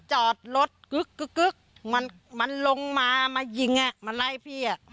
จอดรถกึ๊กกึ๊กกึ๊กมันมันลงมามายิงอ่ะมาไล่พี่อ่ะ